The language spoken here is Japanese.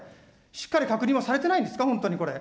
しっかり確認をされてないんですか、本当にこれ。